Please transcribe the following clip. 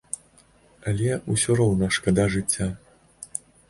Але ўсё роўна шкада жыцця.